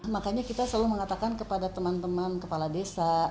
makanya kita selalu mengatakan kepada teman teman kepala desa